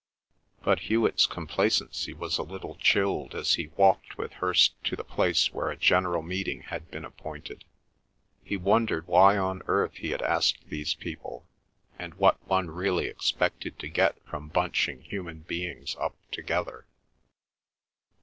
But Hewet's complacency was a little chilled as he walked with Hirst to the place where a general meeting had been appointed. He wondered why on earth he had asked these people, and what one really expected to get from bunching human beings up together.